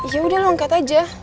ya udah lu angkat aja